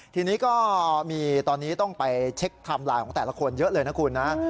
ทีนี้ก็มีตอนนี้ต้องไปเช็คไทม์ไลน์ของแต่ละคนเยอะเลยนะคุณนะ